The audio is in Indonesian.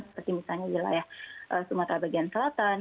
seperti misalnya wilayah sumatera bagian selatan